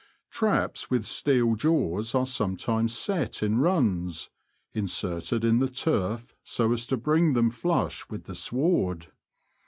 Traps with steel jaws are sometimes set in runs, inserted in the turf so as to bring them flush with the sward.